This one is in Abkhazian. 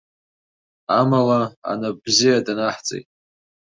Амала, анап бзиа данаҳҵеит.